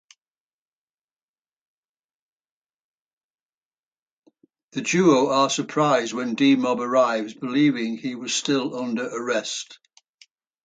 The duo are surprised when D-Mob arrives, believing he was still under arrest.